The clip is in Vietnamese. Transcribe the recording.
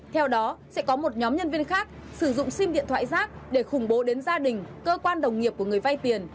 theo đó sẽ có một nhóm nhân viên khác sử dụng sim điện thoại rác để khủng bố đến gia đình cơ quan đồng nghiệp của người vay tiền